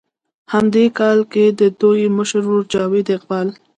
هم دې کال کښې د دوي مشر ورور جاويد اقبال